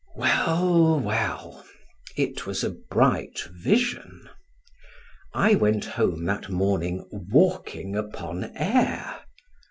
Well, well: it was a bright vision. I went home that morning walking upon air.